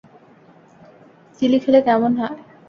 Chilli খেলে কেমন হয়?